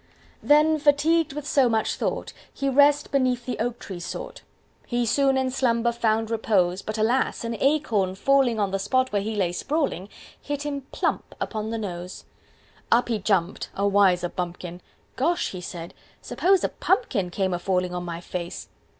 Then, fatigued with so much thought, he Rest beneath the oak tree sought. He Soon in slumber found repose But, alas! An acorn, falling On the spot where he lay sprawling, Hit him plump! Upon the nose. Up he jumped a wiser bumpkin. "Gosh!" he said. "Suppose a pumpkin Came a fallin' on my face!